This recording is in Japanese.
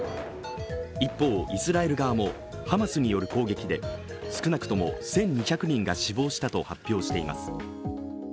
一方、イスラエル側もハマスによる攻撃で少なくとも１２００人が死亡したと発表しています。